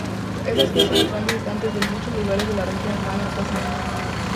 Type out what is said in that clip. Estas fiestas atraen a visitantes de muchos lugares de la región año tras año.